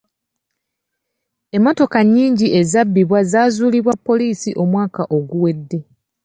Emmotoka nnyingi ezabbibwa zaazuulibwa poliisi omwaka oguwedde.